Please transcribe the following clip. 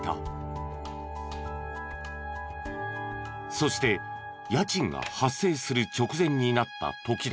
そして家賃が発生する直前になった時だった。